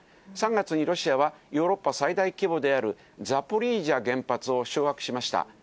３月にロシアは、ヨーロッパ最大規模であるザポリージャ原発を掌握しました。